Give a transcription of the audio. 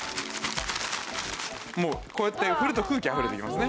もうこうやって振ると空気あふれてきますね。